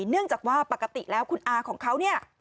เนื่องจากว่าปกติแล้วคุณอาของเขาเนี่ย